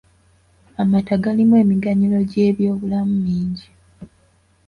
Amata galimu emiganyulo gy'ebyobulamu mingi.